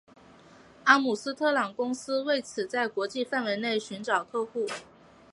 阿姆斯特朗公司为此在国际范围内寻找客户。